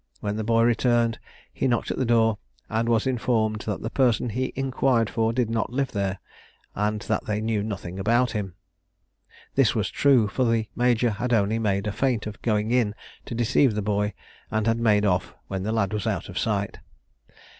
When the boy returned, he knocked at the door, and was informed that the person he inquired for did not live there, and that they knew nothing about him. This was true, for the major had only made a feint of going in to deceive the boy, and had made off when the lad was out of sight.